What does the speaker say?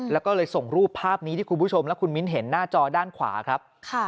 แล้วก็เลยส่งรูปภาพนี้ที่คุณผู้ชมและคุณมิ้นเห็นหน้าจอด้านขวาครับ